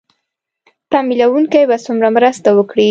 ې تمويلوونکي به څومره مرسته وکړي